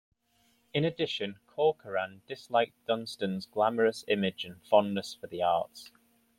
In addition, Corcoran disliked Dunstan's glamorous image and fondness for the arts.